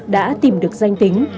đã tìm được danh tính